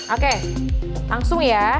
oke langsung ya